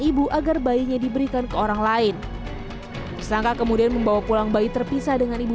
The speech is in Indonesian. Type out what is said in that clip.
ibu agar bayinya diberikan ke orang lain tersangka kemudian membawa pulang bayi terpisah dengan ibu